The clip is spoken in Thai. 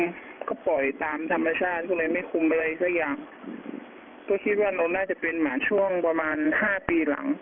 ก็ปล่อยตามธรรมชาติก็เลยไม่คุมอะไรสักอย่างก็คิดว่าเราน่าจะเป็นหมาช่วงประมาณห้าปีหลัง